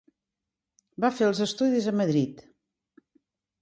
Va fer els estudis a Madrid.